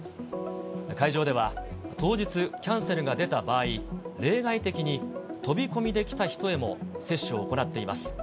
会場では、当日キャンセルが出た場合、例外的に飛び込みで来た人へも接種を行っています。